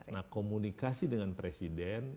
nah komunikasi dengan presiden